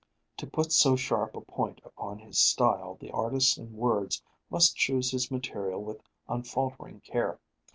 To put so sharp a point upon his style, the artist in words must choose his material with unfaltering care.